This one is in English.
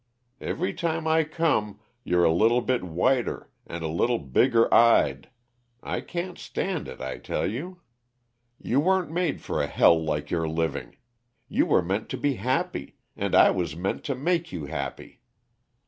Every time I come, you're a little bit whiter, and a little bigger eyed I can't stand it, I tell you! "You weren't made for a hell like you're living. You were meant to be happy and I was meant to make you happy.